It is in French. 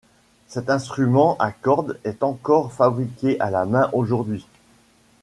Cet instrument à cordes est encore fabriqué à la main aujourd'hui.